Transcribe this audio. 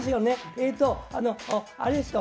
えとあれですよ